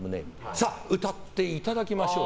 さあ、歌っていただきましょう。